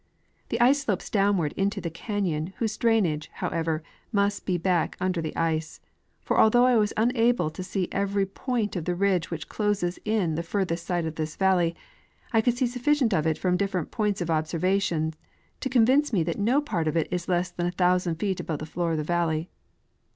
* The ice slopes downward into the canyon, whose drainage, however, must be back under the ice ; for although I was unable to see ever}^ point of the ridge which closes in the further side of this valley, I could see sufficient of it from diiferent jDoints of observation to convince me that no part of it is less than a thousand feet above the floor of the vallej'.